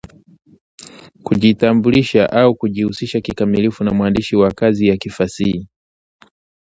kujitambulisha au kujihusisha kikamilifu na mwandishi wa kazi ya kifasihi